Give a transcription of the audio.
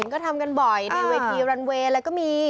ก็ทำกันบ่อยในเวทีรันเวย์อะไรก็มี